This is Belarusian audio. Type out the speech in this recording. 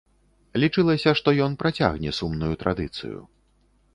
Лічылася, што ён працягне сумную традыцыю.